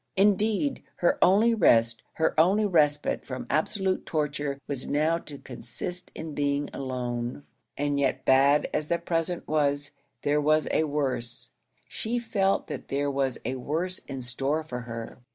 Indeed, her only rest, her only respite from absolute torture was now to consist in being alone; and yet bad as the present was, there was a worse, she felt that there was a worse in store for her.